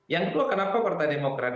yang kedua kenapa partai demokrat